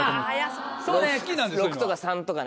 ６とか３とかね。